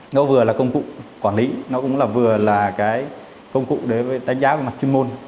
nó vừa là công cụ quản lý nó cũng vừa là công cụ đánh giá về mặt chuyên môn